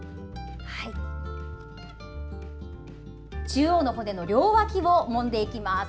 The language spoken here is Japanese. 中央の骨の両脇をもんでいきます。